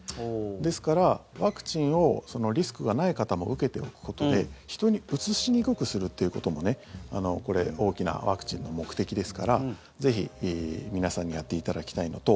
ですから、ワクチンをリスクがない方も受けておくことで人にうつしにくくするっていうこともこれ、大きなワクチンの目的ですからぜひ皆さんにやっていただきたいのと。